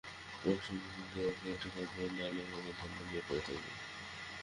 রোশনি, দে ওকে ঐ কাপড়টা, নইলে ও ধন্না দিয়ে পড়ে থাকবে।